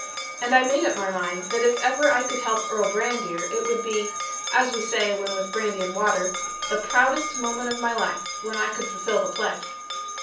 And I made up my mind that if ever I could help Earl Brandir, it would be as we say, when with brandy and water the 'proudest moment of my life,' when I could fulfil the pledge.